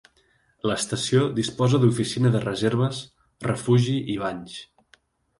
L'estació disposa d'oficina de reserves, refugi i banys.